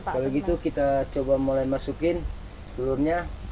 kalau gitu kita coba mulai masukin telurnya